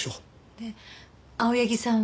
で青柳さんは？